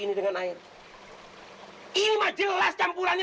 kalian angkat juga tingkatnya